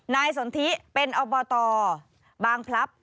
สนทิเป็นอบตบางพลับ